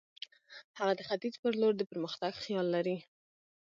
هغه د ختیځ پر لور د پرمختګ خیال لري.